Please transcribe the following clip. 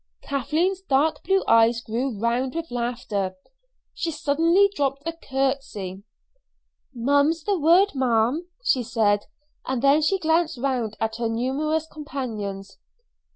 Kathleen's dark blue eyes grew round with laughter. She suddenly dropped a curtsy. "Mum's the word, ma'am," she said, and then she glanced round at her numerous companions.